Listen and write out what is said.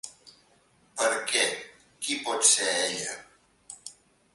Per què? Qui pot ser ella?